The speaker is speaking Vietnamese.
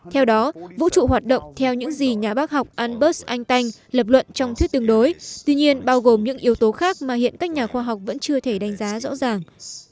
theo đó vũ trụ hoạt động theo những gì nhà bác học albert anh tanh lập luận trong thuyết tương đối tuy nhiên bao gồm những yếu tố khác mà hiện các nhà khoa học vẫn chưa thể đánh giá rõ ràng